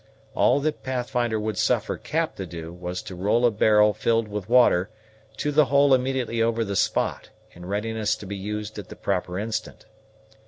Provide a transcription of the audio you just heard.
All that Pathfinder would suffer Cap to do, was to roll a barrel filled with water to the hole immediately over the spot, in readiness to be used at the proper instant.